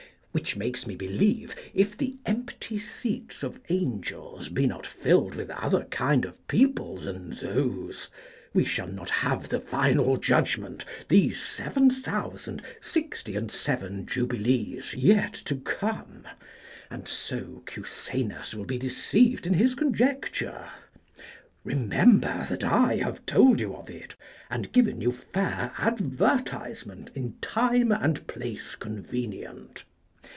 Which makes me believe, if the empty seats of angels be not filled with other kind of people than those, we shall not have the final judgment these seven thousand, sixty and seven jubilees yet to come, and so Cusanus will be deceived in his conjecture. Remember that I have told you of it, and given you fair advertisement in time and place convenient.